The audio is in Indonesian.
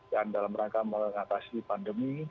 dan dalam rangka mengatasi pandemi